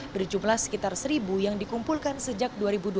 berjumlah sekitar seribu yang dikumpulkan sejak dua ribu dua belas